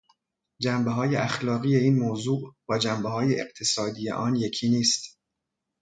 جنبههای اخلاقی این موضوع با جنبههای اقتصادی آن یکی نیست.